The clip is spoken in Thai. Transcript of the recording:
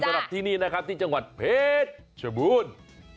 สำหรับที่นี่นะครับที่จังหวัดเพชรชบูรณ์